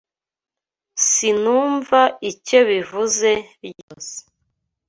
Sinumva icyo bivuze ryose.